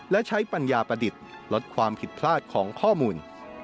และใช้ปัญญาประดิษฐ์ลดความผิดพลาดของข้อมูล